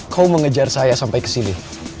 kau mengejar saya sampai ke sini